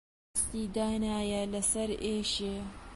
دەستی دانایە لەسەر هەر ئێشێ